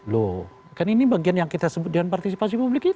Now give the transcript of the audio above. loh kan ini bagian yang kita sebut dengan partisipasi publik itu